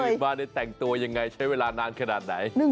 มาแต่งตัวยังไงใช้เวลานานขนาดไหน